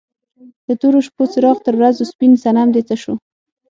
د تورو شپو څراغ تر ورځو سپین صنم دې څه شو؟